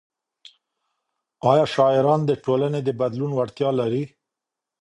ايا شاعران د ټولنې د بدلون وړتیا لري؟